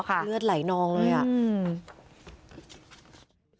เลือดไหลนองเลย